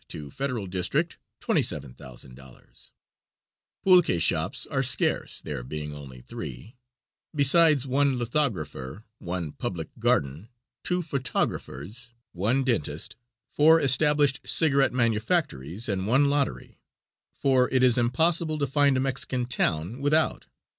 to Federal district, $27,000. Pulque shops are scarce, there being only three, besides one lithographer, one public garden, two photographers, one dentist, four established cigarette manufactories, and one lottery, for it is impossible to find a Mexican town without.